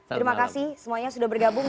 terima kasih semuanya sudah bergabung